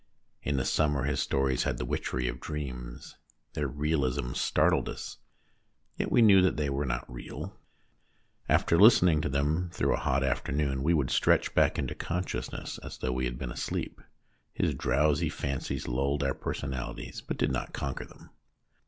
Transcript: In the summer his stories had the witchery of dreams ; their realism startled us, and yet we knew that they were not real. After listening to them through a hot afternoon we would stretch back into consciousness, as though we had been asleep ; his drowsy fancies lulled our personalities, but did not conquer them.